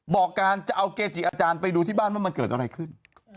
บอกการจะเอาเกจิอาจารย์ไปดูที่บ้านว่ามันเกิดอะไรขึ้น